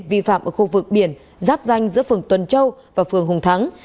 vi phạm ở khu vực biển giáp danh giữa phường tuần châu và phường hùng thắng